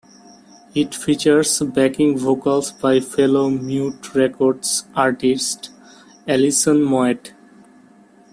It features backing vocals by fellow Mute Records artist Alison Moyet.